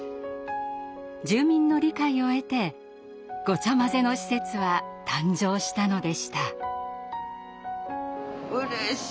住民の理解を得てごちゃまぜの施設は誕生したのでした。